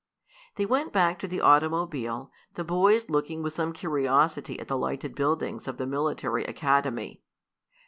They went back to the automobile, the boys looking with some curiosity at the lighted buildings of the military academy.